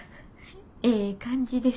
ええ感じです。